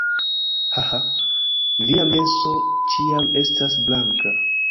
Haha. Via menso ĉiam estas blanka